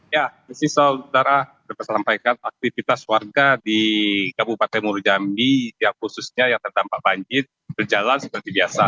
ya masih saudara dapat sampaikan aktivitas warga di kabupaten mulu jambi yang khususnya yang terdampak banjir berjalan seperti biasa